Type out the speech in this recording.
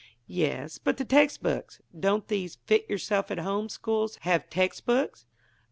"Yes; but the text books. Don't these 'Fit yourself at Home' schools have text books?"